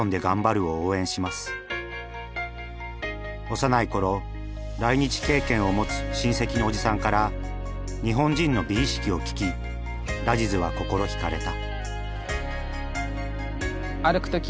幼い頃来日経験を持つ親戚のおじさんから日本人の美意識を聞きラジズは心惹かれた。